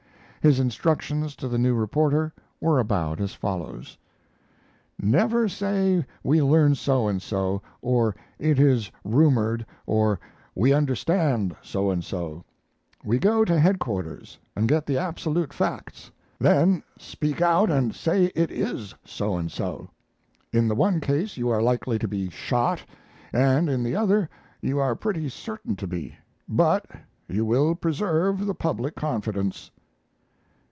His instructions to the new reporter were about as follows: "Never say we learn so and so, or it is rumored, or we understand so and so; but go to headquarters and get the absolute facts; then speak out and say it is so and so. In the one case you are likely to be shot, and in the other you are pretty certain to be; but you will preserve the public confidence."